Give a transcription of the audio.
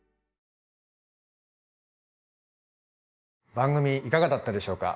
番組いかがだったでしょうか？